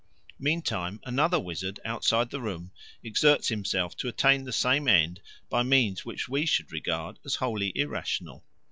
Meantime another wizard outside the room exerts himself to attain the same end by means which we should regard as wholly irrational.